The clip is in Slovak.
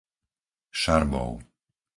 Šarbov